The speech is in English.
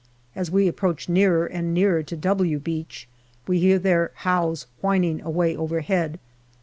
As we approach nearer and nearer to " W " Beach we hear their " hows " whining away overhead.